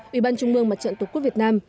ủy ban trung mương mặt trận tổ quốc việt nam